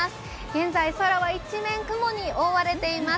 現在、空は一面、雲に覆われています。